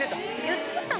言ってた？